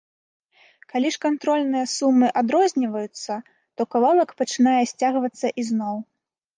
Калі ж кантрольныя сумы адрозніваюцца, то кавалак пачынае сцягвацца ізноў.